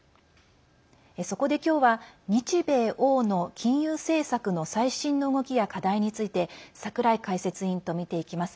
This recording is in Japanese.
そこで今日は日米欧の金融政策の最新の動きや課題について櫻井解説委員と見ていきます。